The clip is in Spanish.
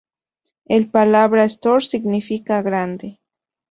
El palabra "store" significa 'grande'.